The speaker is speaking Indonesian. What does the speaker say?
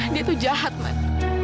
dia tuh jahat man